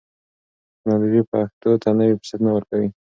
ټکنالوژي پښتو ته نوي فرصتونه ورکوي.